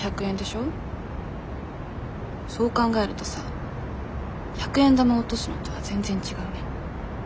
そう考えるとさ百円玉落とすのとは全然違うね。